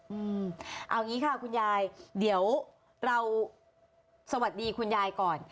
อืมเอางี้ค่ะคุณยายเดี๋ยวเราสวัสดีคุณยายก่อน